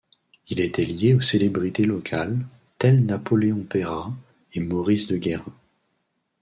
Il était lié aux célébrités locales, telles Napoléon Peyrat et Maurice de Guérin.